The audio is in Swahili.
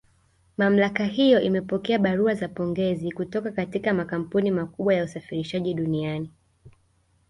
Mamlaka hiyo imepokea barua za pongezi kutoka katika makampuni makubwa ya usafirishaji duniani